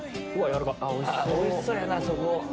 おいしそうやなそこ。